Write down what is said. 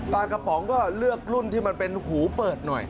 ปลากระป๋องก็เลือกรุ่นที่มันเป็นหูเปิดหน่อย